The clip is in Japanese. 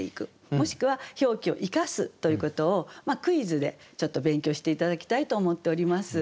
もしくは表記を生かすということをクイズでちょっと勉強して頂きたいと思っております。